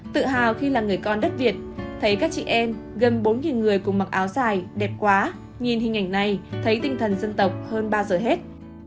tự hào khi là người con đất việt thấy các chị em gần bốn người cùng mặc áo dài đẹp quá nhìn hình ảnh này thấy tinh thần dân tộc hơn bao giờ hết